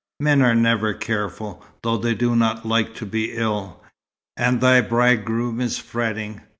Men are never careful, though they do not like to be ill, and thy bridegroom is fretting.